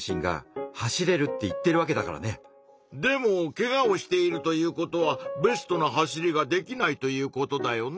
でもけがをしているということはベストな走りができないということだよね？